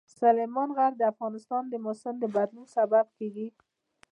سلیمان غر د افغانستان د موسم د بدلون سبب کېږي.